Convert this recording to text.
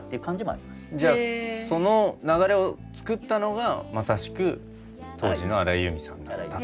じゃあその流れを作ったのがまさしく当時の荒井由実さんだった。